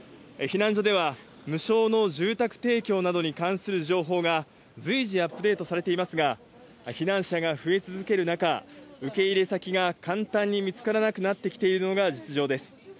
避難所では、無償の住宅提供などに関する情報が、随時アップデートされていますが、避難者が増え続ける中、受け入れ先が簡単に見つからなくなっているのが実情です。